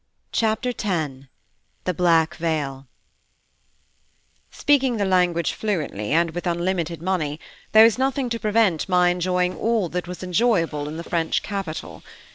Chapter X THE BLACK VEIL Speaking the language fluently, and with unlimited money, there was nothing to prevent my enjoying all that was enjoyable in the French capital.